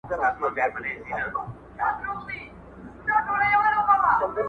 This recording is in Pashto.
تاریخ د انسان هویت پیاوړی کوي